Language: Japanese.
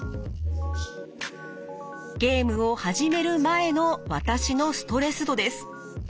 ゲームを始める前の私のストレス度です。